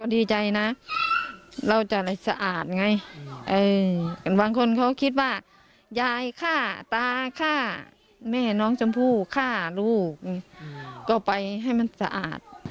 ดีใจนะเราจะอะไรสะอาดไงบางคนเขาคิดว่ายายฆ่าตาฆ่าแม่น้องชมพู่ฆ่าลูกก็ไปให้มันสะอาด